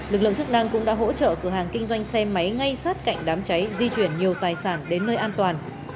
lực lượng chức năng cũng đã hỗ trợ cửa hàng kinh doanh xe máy ngay sát cạnh đám cháy di chuyển nhiều tài sản đến nơi an toàn